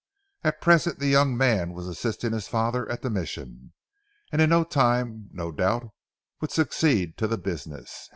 At present the young man was assisting his father at the Mission, and in time, no doubt, would succeed to the business.